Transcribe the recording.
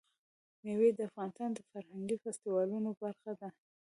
مېوې د افغانستان د فرهنګي فستیوالونو برخه ده.